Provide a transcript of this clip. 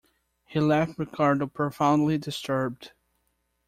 He left Ricardo profoundly disturbed.